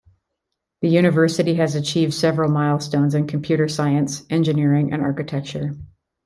The university has achieved several milestones in computer science, engineering and architecture.